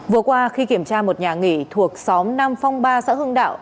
vừa qua khi kiểm tra một nhà nghỉ thuộc xóm nam phong ba xã hưng đạo